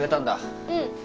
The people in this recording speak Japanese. うん。